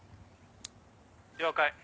「了解。